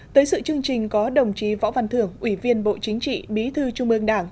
tới sự chương trình có đồng chí võ văn thưởng ủy viên bộ chính trị bí thư trung ương đảng